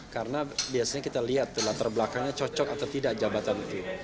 karena biasanya kita lihat latar belakangnya cocok atau tidak jabatan